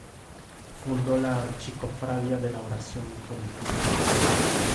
Fundó la "Archicofradía de la Oración Continua".